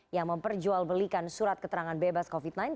yang memperjualbelikan surat keterangan bebas covid sembilan belas